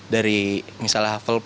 dari misalnya hufflepuff